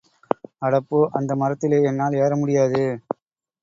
அட போ, அந்த மரத்திலே என்னால் ஏற முடியாது.